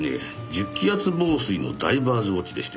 １０気圧防水のダイバーズウオッチでして。